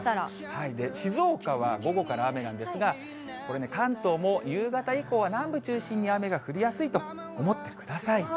静岡は午後から雨なんですが、これね、関東も夕方以降は南部中心に雨が降りやすいと思ってください。